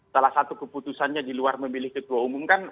salah satu keputusannya di luar memilih ketua umum kan